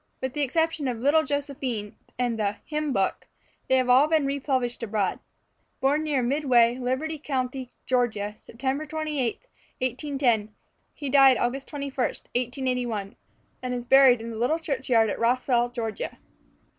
With the exception of "Little Josephine" and the "Hymn Book," they have all been republished abroad. Born near Midway, Liberty County, Georgia, September 28th, 1810, he died August 21st, 1881, and is buried in the little churchyard at Roswell, Georgia.